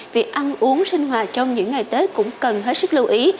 việc ăn uống sinh hoạt trong những ngày tết cũng cần hết sức lưu ý